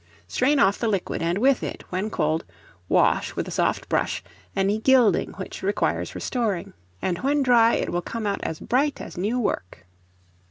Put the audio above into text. Strain off the liquid, and with it, when cold, wash, with a soft brush, any gilding which requires restoring, and when dry it will come out as bright as new work.